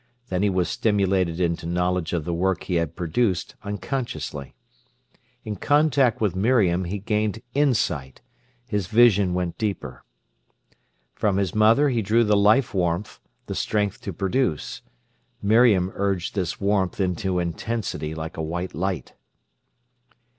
Then he was stimulated into knowledge of the work he had produced unconsciously. In contact with Miriam he gained insight; his vision went deeper. From his mother he drew the life warmth, the strength to produce; Miriam urged this warmth into intensity like a white light.